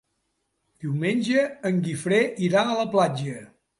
Diumenge en Guifré irà a la platja.